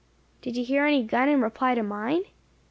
"Did you hear any gun in reply to mine?"